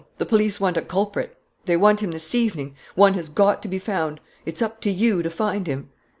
... The police want a culprit ... they want him this evening.... One has got to be found.... It's up to you to find him."